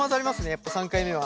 やっぱ３回目は。